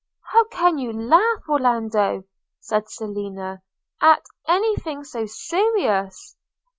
'How can you laugh, Orlando,' said Selina, 'at anything so serious?'